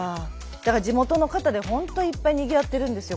だから地元の方で本当いっぱいにぎわってるんですよ